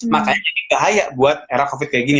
makanya jadi bahaya buat era covid kayak gini